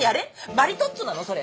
マリトッツォなのそれ？